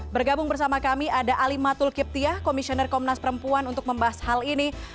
bergabung bersama kami ada alimatul kiptiah komisioner komnas perempuan untuk membahas hal ini